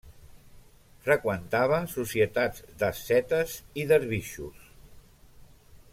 Freqüentava societats d'ascetes i dervixos.